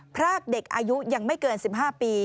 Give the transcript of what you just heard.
พรากเด็กอายุยังไม่เกิน๑๕ปี